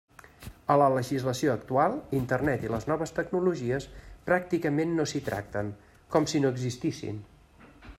A la legislació actual, Internet i les noves tecnologies pràcticament no s'hi tracten, com si no existissin.